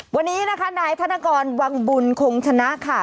วันนี้นะคะนายธนกรวังบุญคงชนะค่ะ